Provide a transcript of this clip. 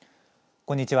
こんにちは。